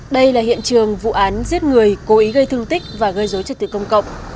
đây là hiện trường vụ án giết người cố ý gây thương tích và gây dối trật tự công cộng